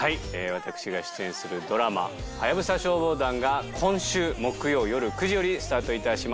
私が出演するドラマ『ハヤブサ消防団』が今週木曜よる９時よりスタート致します。